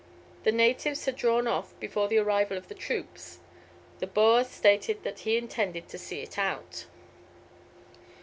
The natives had drawn off before the arrival of the troops. The Boer stated that he intended to see it out.